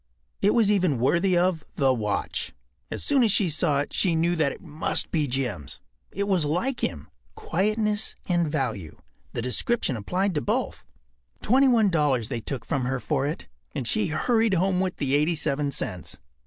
It was even worthy of The Watch. As soon as she saw it she knew that it must be Jim’s. It was like him. Quietness and value—the description applied to both. Twenty one dollars they took from her for it, and she hurried home with the 87 cents.